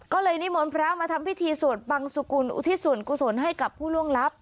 ก็เลยนิมนต์พระมาทำพิธีสวดบังสุกุลอุทิศส่วนกุศลให้กับผู้ล่วงลับ